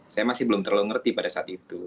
saya masih belum terlalu ngerti pada saat itu